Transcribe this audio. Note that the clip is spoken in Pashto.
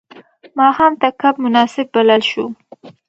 ماښام ته کب مناسب بلل شو.